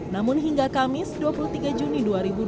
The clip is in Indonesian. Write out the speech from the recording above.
namun hingga kamis dua puluh tiga juni